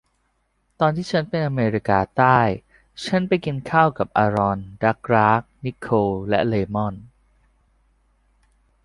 ตอนที่ฉันไปอเมริกาใต้ฉันไปกินข้าวกับอารอน ดักลาส นิโคล และเรย์มอนด์